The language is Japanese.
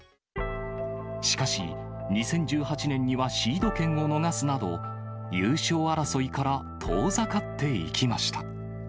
しかし、２０１８年にはシード権を逃すなど、優勝争いから遠ざかっていきました。